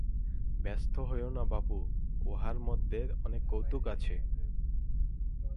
ব্যস্ত হইয়ো না বাপু, ইহার মধ্যে অনেক কৌতুক আছে।